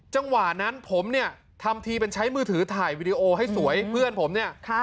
จังหวะนั้นผมเนี่ยทำทีเป็นใช้มือถือถ่ายวีดีโอให้สวยเพื่อนผมเนี่ย